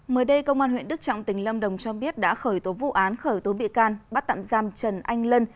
mới đây công an huyện đức trọng tỉnh lâm đồng cho biết đã khởi tố vụ án khởi tố bị can bắt tạm giam trần anh lân